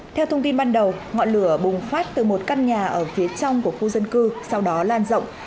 theo thông tin ban đầu ngọn lửa bùng phát từ một căn nhà ở phía trong của khu dân cư sau đó lan rộng